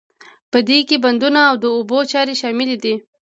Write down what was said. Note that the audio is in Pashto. په دې کې بندونه او د اوبو چارې شاملې دي.